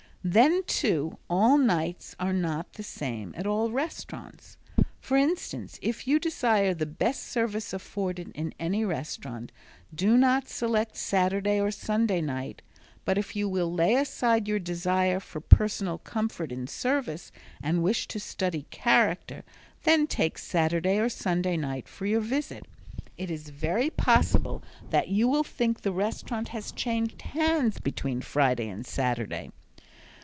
Then, too, all nights are not the same at restaurants. For instance if you desire the best service afforded in any restaurant do not select Saturday or Sunday night, but if you will lay aside your desire for personal comfort in service, and wish to study character, then take Saturday or Sunday night for your visit. It is very possible that you will think the restaurant has changed hands between Friday and Saturday.